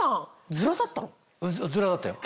ヅラだったよ。